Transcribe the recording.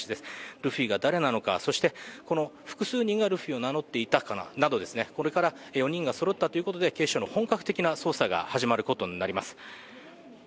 ルフィが誰なのか、この複数人がルフィを名乗っていたのか、これから４人がそろったということで、警視庁の本格的な捜査が始まることになります。